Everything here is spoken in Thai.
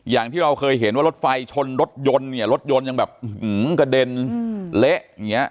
อย่างที่เราเคยเห็นว่ารถไฟชนรถยนต์รถยนต์ยังแบบกระเด็นเละ